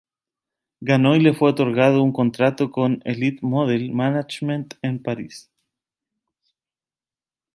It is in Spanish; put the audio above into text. Ganó y le fue otorgado un contrato con Elite Model Management en Paris.